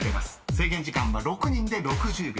［制限時間は６人で６０秒。